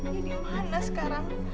dia dimana sekarang